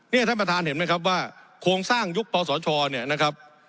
ท่านประธานเห็นไหมครับว่าโครงสร้างยุคปสชเนี่ยนะครับ